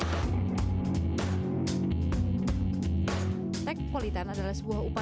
techpolitan adalah sebuah upaya untuk menutupi teknologi dan teknologi di indonesia